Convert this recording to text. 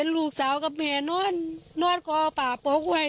ลูกสาวกับแม่นวดก็เอาปลาโปรกไว้